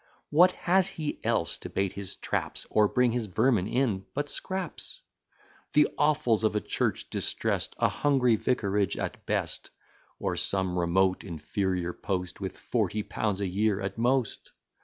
What has he else to bait his traps, Or bring his vermin in, but scraps? The offals of a church distrest; A hungry vicarage at best; Or some remote inferior post, With forty pounds a year at most?